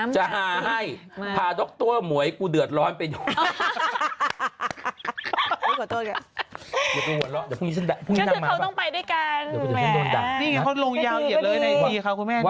เจ้าหน้าโลงยาวเหยียบเลยครับคุณแม่